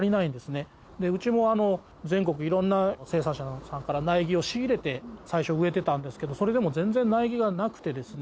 うちも全国いろんな生産者さんから苗木を仕入れて最初植えていたんですけどそれでも全然苗木がなくてですね。